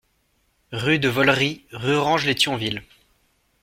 Rue de Vaulry, Rurange-lès-Thionville